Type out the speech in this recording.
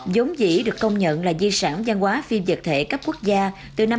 giống dĩ được công nhận là di sản văn hóa phim dệt thể cấp quốc gia từ năm hai nghìn một mươi ba